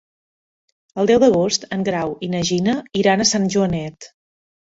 El deu d'agost en Grau i na Gina iran a Sant Joanet.